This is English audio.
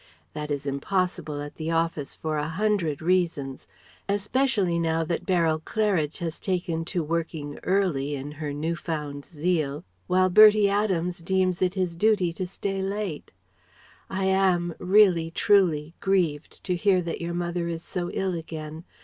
That is impossible at the Office for a hundred reasons, especially now that Beryl Claridge has taken to working early in her new found zeal, while Bertie Adams deems it his duty to stay late. I am really, truly grieved to hear that your mother is so ill again.